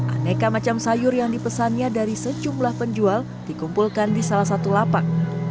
aneka macam sayur yang dipesannya dari sejumlah penjual dikumpulkan di salah satu lapak